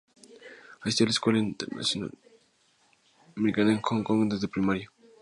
Asistió a la Escuela Internacional Americana en Hong Kong desde primaria.